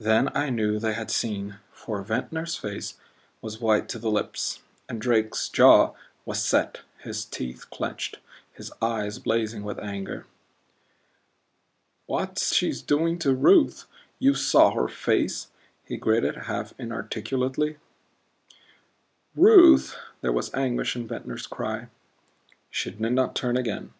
Then I knew they had seen, for Ventnor's face was white to the lips, and Drake's jaw was set, his teeth clenched, his eyes blazing with anger. "What's she doing to Ruth you saw her face," he gritted, half inarticulately. "Ruth!" There was anguish in Ventnor's cry. She did not turn again.